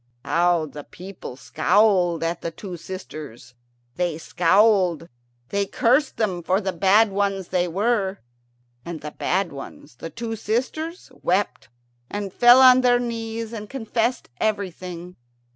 How the people scowled at the two sisters! They scowled, they cursed them for the bad ones they were. And the bad ones, the two sisters, wept, and fell on their knees, and confessed everything.